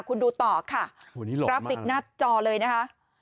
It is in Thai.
คุณดูต่อค่ะโหนี่หลอกมากรับอีกหน้าจอเลยนะคะ